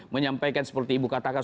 menyampaikan seperti ibu katakan